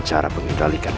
akan aku laksanakan